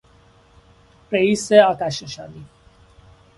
رئیس آتشنشانی